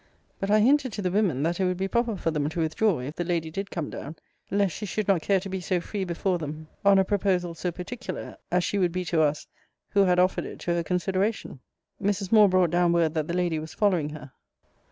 But I hinted to the women, that it would be proper for them to withdraw, if the lady did come down; lest she should not care to be so free before them on a proposal so particular, as she would be to us, who had offered it to her consideration. Mrs. Moore brought down word that the lady was following her.